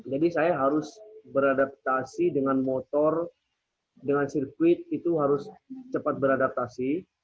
jadi saya harus beradaptasi dengan motor dengan sirkuit itu harus cepat beradaptasi